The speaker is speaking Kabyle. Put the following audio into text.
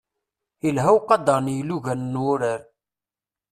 Ilha uqader n yilugan n wurar.